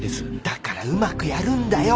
だからうまくやるんだよ！